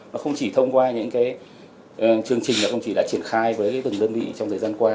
nó không chỉ thông qua những chương trình nó không chỉ đã triển khai với đơn vị trong thời gian qua